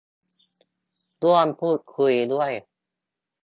ร่วมพูดคุยด้วย